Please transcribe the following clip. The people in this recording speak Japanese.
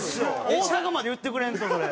大阪まで言ってくれんとそれ。